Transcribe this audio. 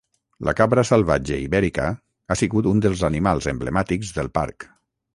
La cabra salvatge ibèrica ha sigut un dels animals emblemàtics del parc.